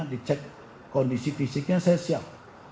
dicek kondisi fisiknya saya siap